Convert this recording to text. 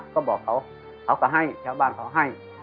ก็บอกเขาเขาก็ให้ชาวบ้านเขาให้